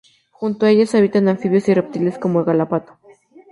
Junto a ellas, habitan anfibios y reptiles como el galápago.